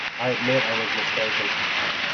I admit I was mistaken.